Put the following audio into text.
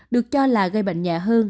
được cho là gây bệnh nhẹ hơn